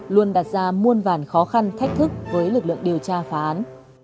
luôn đặt ra muôn vàn khó khăn thách thức với lực lượng điều tra phá án